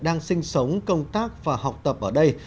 đang sinh sống công tác và học tập ở đây